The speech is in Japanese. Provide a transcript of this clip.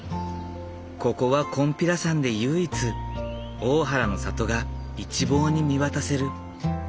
ここは金毘羅山で唯一大原の里が一望に見渡せる。